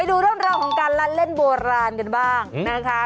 ดูเรื่องราวของการลั่นเล่นโบราณกันบ้างนะคะ